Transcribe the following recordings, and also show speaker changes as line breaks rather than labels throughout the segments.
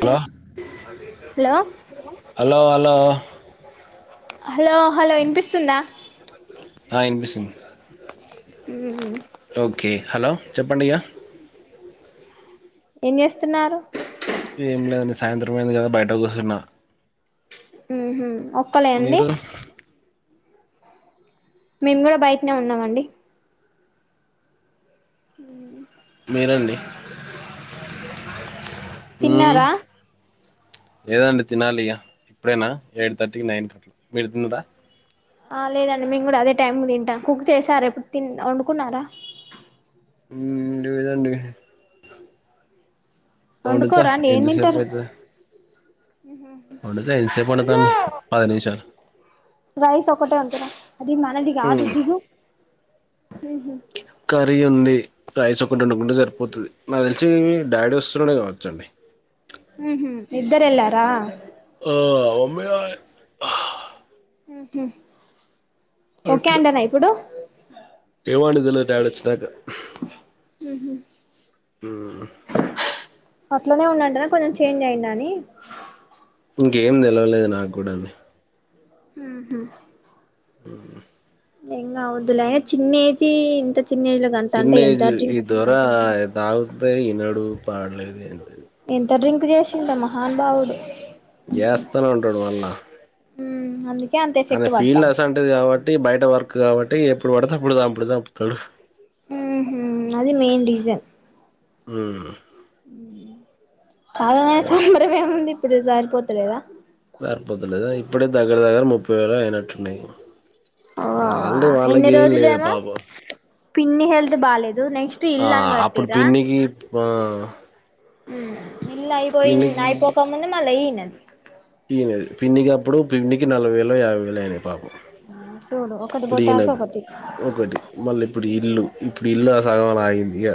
hello
hello
hello hello
hello hello వినిపిస్తుందా
ఆ వినిపిస్తుంది
హ్మ్మ్
ఓకే హలో చెప్పండి ఇగ
ఏం చేస్తున్నారు
పడింది కదా బయట కూర్చున్న
ఉహ ఒక్కలే అండి
మీరు
మేము కూడా బయటనే ఉన్నామండి హ్మ్మ్
మీరండి
తిన్నారా
లేదండి తినాలిక ఇప్పుడేనా ఎయిట్ థర్టీకి నైన్ థర్టీ మీరు తిన్నదా
ఆ లేదండి మేము కూడా అదే టైం తింటాం కుక్ చేశారా ఎప్పుడు తి వండుకున్నారా
ఉ లేదండి అవుడుత
వండుకోరా అండి ఏం
ఎంతసేపు
తింటారు
అయితది వండిత ఎంతసేపు వండుతా పది నిమిషాలు
రైస్ ఒకటి ఎండుతా అది మనది ఆదు
మ్మ్,
దిగు
కర్రీ ఉంది రైస్ ఒకటి ఉండుకుంటే సరిపోతుది నాకు తెలిసి డాడీ వస్తున్నానే కావచ్చండి
హు హు ఇద్దరెలారా
ఆ అ
హు
అట్లా ఏవాన్ ఆడది డాడీ వచ్చినక
ఉహా
ఉహు
అట్లోనే ఉన్నాంటనే కొంచెం చేంజ్ అయిందని
ఇంకేం తెలవలేదు నాకు కూడా అవి
ఉహు
ఆ
ఎంగా అవుదుల చిన్న ఏజ్ ఇంత చిన్న ఏజ్ లో గంత
చిన్న
అంటే
ఏజ్
ఎంత
ఈ
అర్జెంట్
ద్వర అదగుతే ఈ నడుగు పడలేది
ఉగజేశ్ర మహానుభావుడు
చేస్తానే ఉంటాడు మళ్ళా
మ్మ్ అందుకే అంత
అద
ఎఫెక్ట్
ఫీల్డ్
పడతాంది
అస అంటది కాబట్టి బయట వర్క్ కాబట్టి ఎప్పుడు పడితే అప్పుడు దాం అప్పుడ [unintelligible]
ఉహు అది మెయిన్ రీసన్
ఊ
[unintelligible] ఏముంది ఇప్పుడు సారిపోతులేదా
పారిపోతులేదా ఇప్పుడే దగ్గర దగ్గర ముప్పై వేలు అయినట్టున్నాయి
అవ్వ అవ్వ
వాళ్ళ
ఇన్ని
వాళ్ళకి ఏం
రోజులు
లేదు
ఏమో
పాపం
పిన్ని హెల్త్ బాలలేదు నెక్స్ట్
ఆ
ఇల్ అన్
అప్పుడు
గట్టరా
పిన్నికి ఆ
హ్ ఇల్ అయిపోయి అయిపోక ముంద మళ్ళ ఈనది
పిన్ని పిన్నికిప్పుడు పిన్నికి నలబాయి యాభై వల అయినా పాపం
ఆ చూడు ఒకటి
ఇప్పుడు ఈయనకు
పోతంటయొకటి
ఒకటి మళ్ళీ ఇప్పుడు
ఉ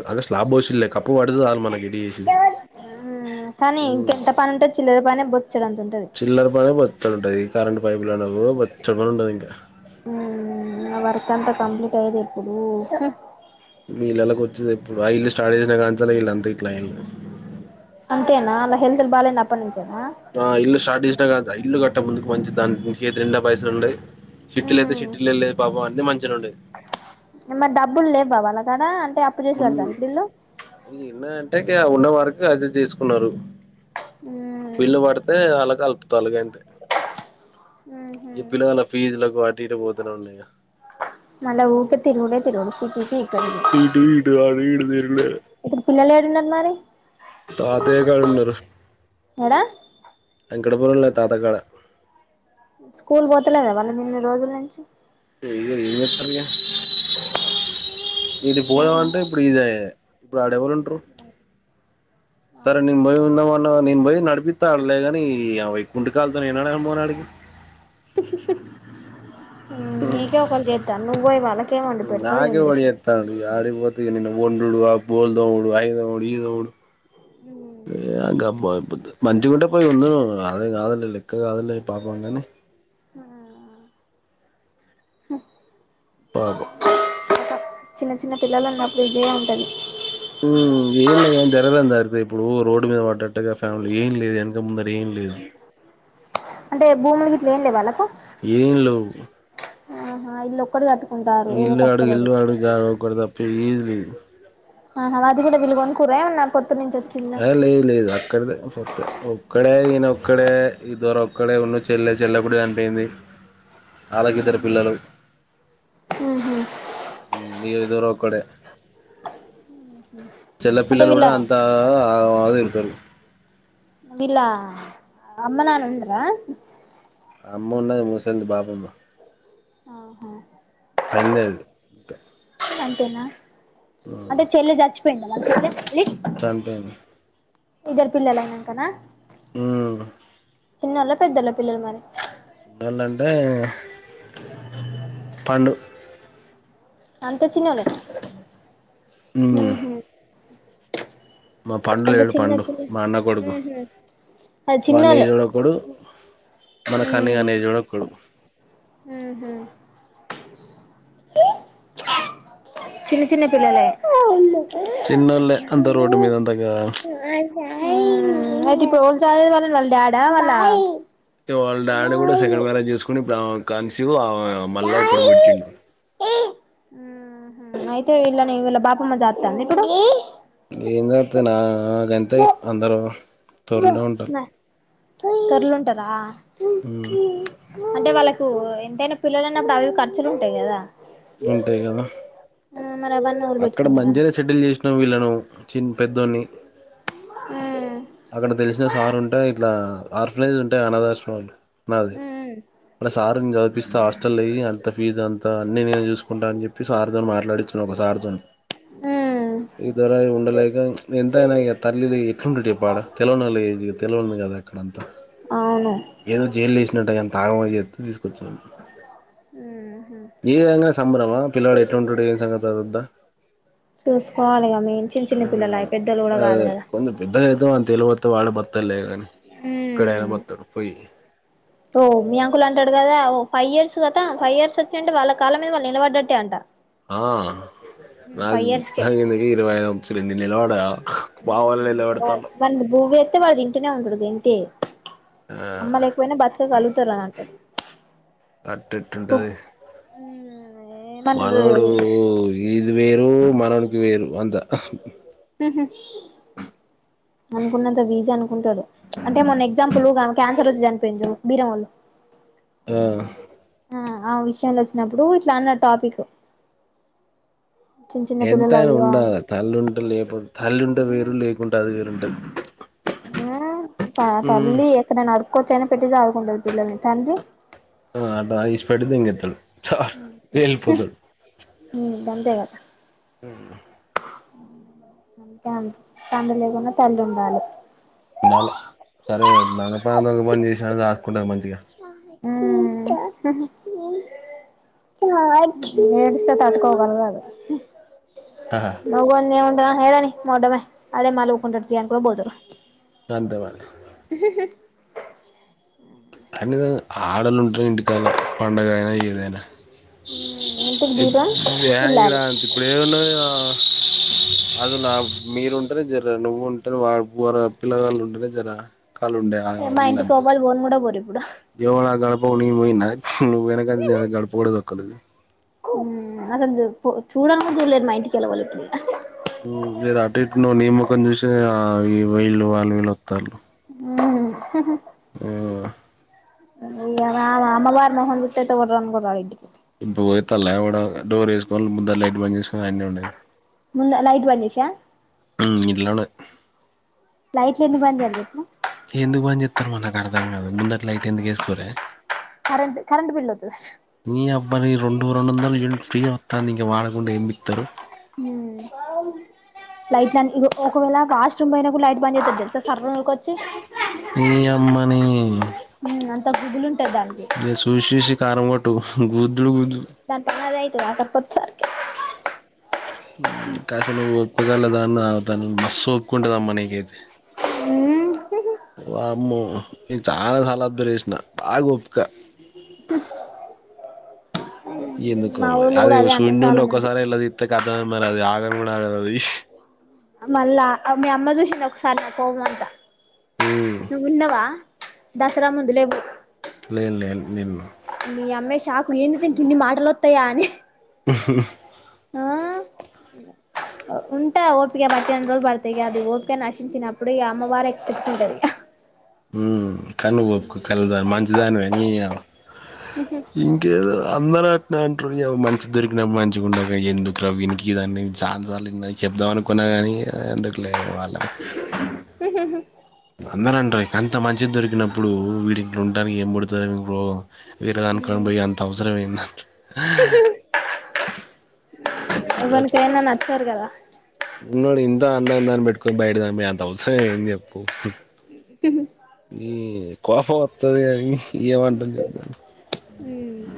అ స్లాబ్ వషలే కప్పు వాడుతుల ఎటు చూసి
మ్మ్ కానీ ఇంకెంత పని ఉంటది చిల్లర పనే బొచ్చడంత ఉంటది
చిల్లర్ పని బొచ్చాడ ఉంటది కరెంట్ పైపు లోనే బొచ్చడ పని ఉంటది ఇంకా
నా వర్క్ అంతా కంప్లీట్ అయిది ఇప్పుడు
మీ ఇల్లలాకి వచ్చిది ఇప్పుడు ఆ ఇల్లు స్టార్ట్ చేసినా కాల ఇల్లు అంతా ఇట్లా అయింది
అంతేనా అలా హెల్తులు బాగాలేంది అప్పనుంచి
ఆ ఇల్లు స్టార్ట్ చేసినాదా ఇల్లు కట్ట ముందుకు మంచిది దానికి చేతి నిండా పైసలు ఉండే సిషటీలో అయితే
ఉమ్
సిషటీలో లేపాపం అన్ని మంచిగా ఉండేది
మరి డబ్బులు లేవా వాళ్ళకాడ అంటే అప్పు చేసి
బుల్
కడతారు ఇప్పుడు ఈళ్ళు
ఈ ఎన్న అంటే ఉన్నవారికి అది చేసుకున్నారు
ఉమ్
బిల్లు పడితే అలాగ కలుపుతా అలాగ అంతే
ఉహు
ఈ పిల్లల ఫీజులకు ఆటు ఇట పోతనే ఉన్న
మల్ల ఊరికే తిరుగుడే తిరుగుడు [unintelligible]
వీటు వీటు అది ఇడుదరుకులే
ఉన్నారు మరి
తాతయ్య కాడ ఉండడు
ఏడా
వెంకటపురంలో తాతకాడ
స్కూల్ పోతలేడా వాళ్ళ నిన్ని రోజులు నుంచి
ఇది పోదవంట ఇప్పుడు ఇది [unintelligible] ఇప్పుడు ఆడెవరుంటరు సరే నేను భయి ఉందాం వన్ అవర్ నేను పోయి నడిపిస్తాడలే కాని అవై కుండ కాాలతో నేనాడ అను మ నాడికి [unintelligible]
మీకె ఒకరు జేతా ను్వోయ బాలా
నాే ఒడి అతా అ ఆడిపోతు న ఒండ్డు [unintelligible] బోల్ దోముడు ఐదోముడు ఈదడు గమ్బద్దదు మంచిగుంటే పోయి ఉంది అదే కాద లెక్క కాదులే పాపం కానీ
ఆ
పాప
చిన్న చిన్న పిల్లలు ఉన్నప్పుడు ఇదే ఉంటది
హ్మ్ ఏన్ జరదాందా [unintelligible] ఇప్పుడు రోడ్డు మీద పడ్డట్టుగా ఫ్యామిలీ ఏం లేదు వెనక ముందర ఏం లేదు
అంటే భూముల గిట్ల ఏం లే వాళ్ళకు
ఏం లేవ్
ఆహా ఇల్లొకటి గట్
ఇల్ ఆడు ఇల్లు ఆడు జదుప్పే ఇది లే [unintelligible]
ఆ అది కూడా దిగ కురేన్నా [unintelligible]
ఆ లేదు లేదు అక్కడదే ఫత్త ఒక్కడే ఈయన ఒక్కడే ఈ ద్వరా ఒక్కడే ఉన్న చెల్లె చెల్లప్పుడు చనిపోయింది ఆళకి ఇద్దరు పిల్లలు
ఉహు
ఇ ఇ దర ఒక్కడే చెల్ల
అంటే
పిల్లలు
వీళ్ళ
కూడా అంతా అద ఇతు [unintelligible]
వీళ్ళ అమ్మ నాన్న ఉండరా
అమ్మ ఉన్నది ముసిలిది పాపం
ఆహా
పేడు ఇంకా [unintelligible]
నా అంటే చెల్లె చచ్చిపోయింద వాళ్ళ చెల్లి
టాంపేన్
ఇద్దరు పిల్లలనాంకనా
ఉమ్
చిన్నొళ్ళ పెద్దొళ్ళ పిల్లలు మరి
ముందంటే పండు
అంత చిన్నొలు
ఉమ్
ఊహు
మా పండులు ఏడు
చిన్న
పండు
పిల్ల
మా అన్న కొడుకు
ఉహు అది
మా
చిన్నోళ్ళే
నీజుడుకుడు మన కాని అనే జుడకుడు
హూ హు చిన్న చిన్న పిల్లలే
చిన్నోళ్ళే అంత రోడ్ మీద అంతాకా
టోల్ చాలే వాళ్ళళ్ డా వాళ్ళ
వాళ్ళ డాడీ కూడా సెకండ్
వాళ్ళ
మ్యారేజ్ చేసుకుని ఇప్పుడు ఆమె కనిసివ్ ఆ మళ్ళా కొడుకు పుటిండు
అయితే ఇలా నే ఇళ బాపమ్మ జాస్తాంది ఇప్పుడు
ఏం చేస్తతే నా గంత అందర [unintelligible]
కరలుంటదా
ఆ
ఇప్పు ఎంతైనా పిల్లలున్నప్పుడు అవి ఖర్చులు ఉంటాయి కదా
ఉంటయి కదా
మరి అవన్నీ ఎవరు
అక్కడ
పెట్టుకుంటారని
మంచిగ సెటిల్ చేసినావు వీళ్ళనువ్ చిన్న పెద్దోని
హ్మ్
అక్కడ తెలిసిన సారు ఉంటాయి ఇట్లా ఆర్ఫినైజ్ ఉంటాయి అనాథ ఆశ్రమాలు నాది
మ్మ్
మ సార్ చదిపిస్తా హాస్టల్ అయ్యి అళ్ [unintelligible] ఫీజ్ అంతా అన్ని నేను చూసుకుంటా అని చెప్పి సార్తోనీ మాట్లాడుతున్నా ఒక సార్తోని
మ్మ్
ఇద్దరు ఉండలేక ఎంతైనా ఈగ తల్లిది ఎట్లు తెలవనోలు ఇగ తెలవదు కదా అక్కడంతా
అవును
ఏదో జైలు వేసినంటై నేను తాగమ అని చెప్తే తీసుకొచ్చారు
మ్మ్
ఈ విధంగా సంబరమా పిల్లడు ఎట్లుంటాడు ఏం సంగతద్దా
చూసుకోవాలి ఇగ మేం చిన్న చిన్న
ఉమ్
పిల్లలు పెద్దోళ్ళు కూడా కాదు
అదే బంధుత్వం
కదా
కొంత పెద్దగా అయితే ఇ పోతే వాడు బతలే కాని ఎక్కడైనా
మ్మ్
బతాడు పోయి
ఓ మీ అంకుల్ అంటాడు కదా ఫైవ్ ఇయర్స్ కదా ఫైవ్ ఇయర్స్ వచ్చి అంటే వాళ్ళ కాళ్ళ మీద వాళ్ళు నిలబడ్డట్టే అంట
ఆ నాకు
ఫైవ్ ఇయర్స్కే
నాకిందికీ ఇరవై ఐదుచ్చి నీలవాడా
ఉమ్ బ్యూవే అతే వాడుది ఇంటనే ఉంటది ఎంతే అమ్మ
ఆ
లేకపోయినా బ్రతక కలుగుతారు అని అంటారు
అట్ ఎట్ ఉమటది
ఏమంటారు
మనవడు ఇది వేరు మానవునికి వేరు అంతా
అనుకున్నంత విజీ అను ఉంటారు అంటే మొన్న ఎగ్జాంపుల్ క్యాన్సర్ వచ్చి చనిపోయింది చూడు బీరంవాలు
ఆ
ఆ ఆ విషయంలో తెలిసినప్పుడు చానా టాపిక్ చిన్న చిన్న పిల్లలు
ఎంతయినా
అయ్యో
ఉండాలి తల్లి ఉంటే లేపో తల్లి ఉంటే వేరు లేకుంట అది వేరుంటది
ఆ త తల్లి ఎక్కడైనా అడ్డుకొచ్చిన పెట్టితాడి [unintelligible] పిల్లలని తండ్రి
ఆ అట్ట ఇడిచిపెడితే ఇంగెత్తడు చాలు వెళ్ళిపోతాడు
గందేగాద
ఉమ్
అందుకే అ తండ్రి లేకునా తల్లి ఉండాలి
ఉండాలి సరే మంగ ప్ర దొంగ పని చేసా దాసుకుంటారు మంచి
ఉమ్ హుహు ఆ ఏడుస్తే తటుకోవాదు మగవంది ఏముంటది ఏడవని మొడ్డమే అదే మాల్గుకుంటర్త చీ అన్కోనీ పోతాడు
అంతేమల అనే ఆడలు ఉంటాయి ఇంటికాల పండగ అయినా ఏదైనా
ఇంటికి దీపం ఇల్లాలు
[unintelligible] అది నా మీరు ఉంటేనే జర నువ్వు ఉంటే వా వర పిల్లవాళ్ళు ఉంటేనే జర కాళ్ళు ఉండే ఆ
మా ఇంటికి
ఇళ్ళంతా
ఎవ్వలు పోను కూడా పోరు ఇప్పుడు
ఎవ గడప ఉ పోయినా వెనక అ గడప కూడా కూడా తొకుదు
హ్మ్ అసలు చూడని కూడా చూల్లేరు మా ఇంటి కల్ల వాళ్లేప్పుడు
జర అటు ఇటు ను్ నీ మొహం చూస ఈ వీళ్ళు వాళ్ళు వీళ్ళు వస్తారు
హుమ్
ఉమ్
అమ్మవారి మొహం చుత్తా ఏటా పోతావ్ ఇంటికే
ఇం పోయి తల్ల కూడా డోర్ వేసుకని ముందర లైట్ బంద్ చేసుకొని అవన్నీ ఉండేయి
లైట్ బంద్ చేసా
ఉమ్ ఇంట్లోనే
లైట్లు ఎందుకు బంద్ చేయాలి చెప్పు
అసలు అలా అర్థం కాదు ముందటి లైట్ ఎందుకు వేసుకోరే
కరెంట్ కరెంట్ బిల్ అవుతది
మీ అబ్బారి రెండో రెండు వందల యూనిట్ ఫ్రీ వస్తాంది ఇంకా వాడకుండా ఎంపికుతారు
హ్మ్ లైట్ ఒకవేళ కాస్ట్ రూమ్ అయినా లైట్ బతు తెలుసా సర్వకోచి
నీ
అంత గుగులు
ఏ చూసి చూసి కారం కొట్టు గూదుడు గుదుడు
ఏకపో సార్కి
కాస నువ్వు ఒప్పుకోగల దాన్న అవుతాను మస్ ఒప్పుకుంటది అమ్మ నీకైతే
హ
వామ్మో నేను చాలా సార్లు అబ్జర్వ్ చేసిన బాగా [inaudible] ఈ ఎందుకో
మా
మరి
ఊళ్ళు
అదే
కూడా
శు
అంటారు
ఉండి
చాలా మంది
ఒక్కసారి అది ఇంత కత మరి అది ఆగం కూడా [inaudible]
మళ్ళా మీ అమ్మ చూసింది ఒకసారినా కోపం అంతా
ఉమ్
నువ్వు ఉన్నావా దసరా ముందులేవ్యు
లేను లేను నేను
మీ అమ్మా షాక్ ఏంది దీనికి ఎన్ని మాటలు వస్తాయా అని
ఆ
ఆ ఉంటా ఓపిక పట్ట రోజు పడుతా అది ఓపిక నశించినప్పుడు అమ్మవారు ఎక్కి ఎక్కించుకుంటాది [inaudible]
కానీ నువ్వు మంచిదనివి కలదానివి నీ
ఇగ
ఇంకేదో అందరూ అట్నీ అంటారు మ మంచి దొరికినప్పుడు మంచిగక ఉండక ఎందుకు రా వినికి ఇయ్యని చనా సార్లు విన్నా చెప్తా అనుకూన కాని ఎందుకు వాళ్ళ
హహ
అందరు అంటారు అంత మంచిది దొరికినప్పుడు వీడు ఎట్లుంటానికి ఏం పడుతారు ఏమో వీరదాను కా పోయి అంతవసరమేన్నా [inaudible]
ఎవనికి అయిన నచ్చరు కదా
నోడి ఇంత అంద అందాన్ని పెట్టుకు బయటదానీ మీద అంత అవసరం ఏంది చెప్పు న కోపం వత్తడి కానీ ఏం అంటం చెప్పు
ఉమ్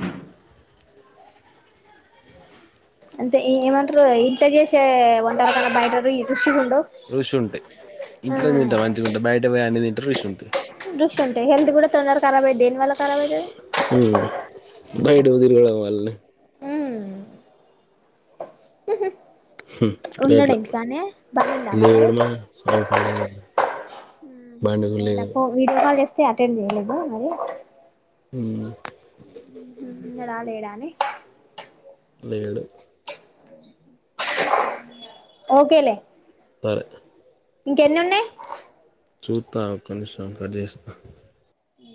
అంతే ఈ ఏమంటారు ఇంట్లో చేసే వంటలకంటే బయటా పోయి రుచి
రుషి ఉంటాయి ఇంట్లో తింటాం మంచిగా ఉంటాయి బయట పో అన్ని తింటే రుషి ఉంటాయి
ఋషి ఉంటే హెల్త్ కూడా తొందరగా ఖరాబ్ అయితుంది దేనివల్ల ఖరాబ్ అవుతుది [inaudible]
హ్మ్ బయట పోయి తిరగడం వాళ్ళని
ఉమ్ ఉన్నడా
అట్లా
ఇంటి కాడని బయట [inaudible]
లేడు మా సావు పని లేదు బండి కూడా
నేనుప్పు వీడియో కాల్ చేస్తే అటెండ్ చేయలేదు మరి
అ
ఉన్నాడా లేడా అని
లేదు
ఒకే లే
ఆ
ఇంకెన్ని ఉన్నాయి
చూస్తా ఒక్క నిమిషం కట్ చేస్తా